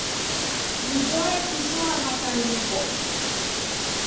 Mzoe kushoamatandiko.